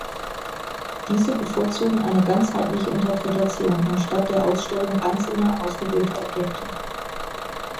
Diese bevorzugen eine ganzheitliche Interpretation, anstatt der Ausstellung einzelner, ausgewählter Objekte.